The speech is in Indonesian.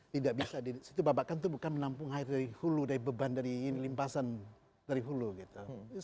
tidak bisa di situ babakan itu bukan menampung air dari hulu dari beban dari limpasan dari hulu gitu